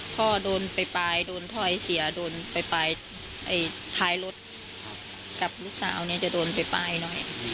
พ่อโดนไปปลายโดนถ้อยเสียโดนไปปลายท้ายรถกับลูกสาวเนี่ยจะโดนไปป้ายหน่อย